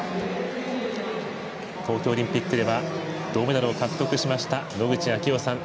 東京オリンピックでは銅メダルを獲得しました野口啓代さん。